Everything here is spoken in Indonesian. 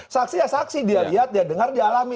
saksi ya saksi dia lihat dia dengar dia alami